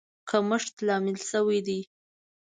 کمښت لامل شوی دی.